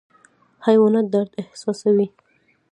حیوانات درد احساسوي